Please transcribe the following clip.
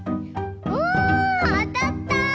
おあたった！